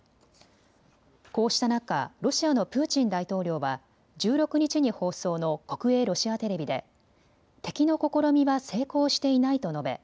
こうした中、ロシアのプーチン大統領は１６日に放送の国営ロシアテレビで敵の試みは成功していないと述べ